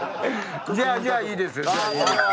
じゃあいいですよ。